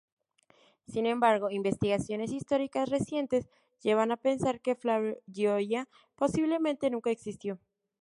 Sin embargo, investigaciones históricas recientes, llevan a pensar que Flavio Gioia posiblemente nunca existió.